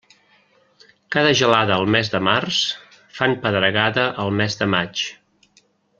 Cada gelada al mes de març, fan pedregada al mes de maig.